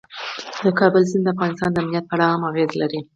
د کابل سیند د افغانستان د امنیت په اړه هم اغېز لري.